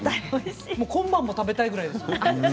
今晩も食べたいくらいです。